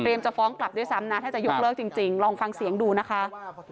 จะฟ้องกลับด้วยซ้ำนะถ้าจะยกเลิกจริงลองฟังเสียงดูนะคะ